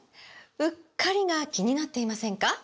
“うっかり”が気になっていませんか？